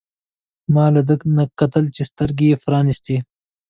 ما لا ده ته کتل چې سترګې يې پرانیستې.